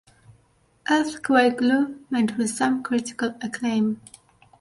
"Earthquake Glue" met with some critical acclaim.